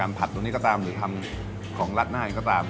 ผัดตัวนี้ก็ตามหรือทำของรัดหน้าเองก็ตาม